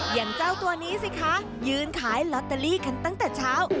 อย่างเจ้าตัวนี้สิคะยืนขายลอตเตอรี่กันตั้งแต่เช้า